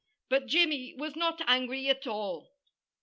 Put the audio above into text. But Jimmy was not angry at all.